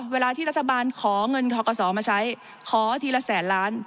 เวลาที่รัฐบาลขอเงินทกศมาใช้ขอทีละแสนล้าน